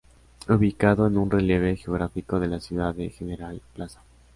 Ubicado en un relieve geográfico de la ciudad de General Plaza.